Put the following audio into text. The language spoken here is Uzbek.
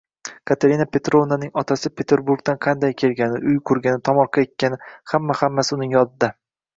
Katerina Petrovnaning otasi Peterburgdan qanday kelgani, uy qurgani, tomorqa ekkani – hamma-hammasi uning yodida.